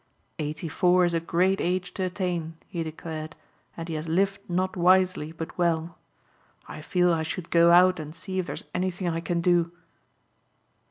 "Eighty four is a great age to attain," he declared, "and he has lived not wisely but well. I feel I should go out and see if there's anything I can do."